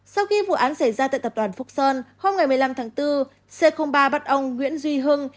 sau khi vụ án xảy ra tại tập đoàn phúc sơn hôm một mươi năm tháng bốn c ba bắt ông nguyễn duy hưng